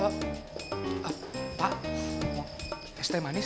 pak mau es teh manis